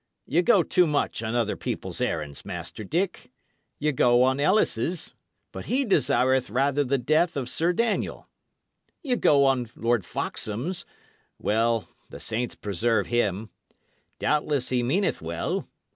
Ye go too much on other people's errands, Master Dick. Ye go on Ellis's; but he desireth rather the death of Sir Daniel. Ye go on Lord Foxham's; well the saints preserve him! doubtless he meaneth well.